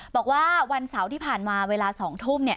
บอกว่าวันเสาร์ที่ผ่านมาเวลา๒ทุ่มเนี่ย